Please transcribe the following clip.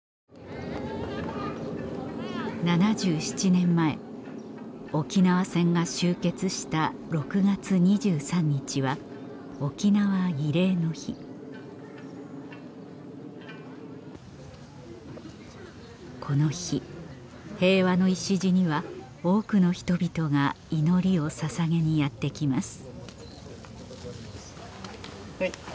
７７年前沖縄戦が終結した６月２３日は沖縄慰霊の日この日平和の礎には多くの人々が祈りを捧げにやって来ます